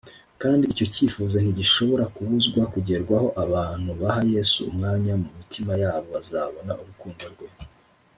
kandi icyo cyifuzo ntigishobora kubuzwa kugerwaho abantu baha yesu umwanya mu mitima yabo bazabona urukundo rwe